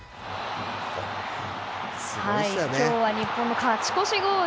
今日は日本の勝ち越しゴール。